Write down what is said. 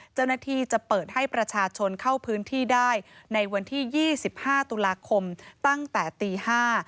เจ้าหน้าที่จะเปิดให้ประชาชนเข้าพื้นที่ได้ในวันที่ยี่สิบห้าตุลาคมตั้งแต่ตีห้า